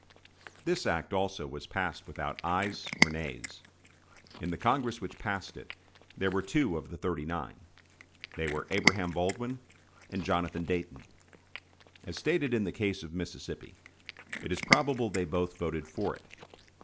This act also was passed without ayes or nays. In the Congress which passed it there were two of the "thirty nine." They were Abraham Baldwin and Jonathan Dayton. As stated in the case of Mississippi, it is probable they both voted for it.